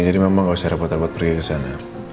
jadi mama gak usah repot repot pergi kesana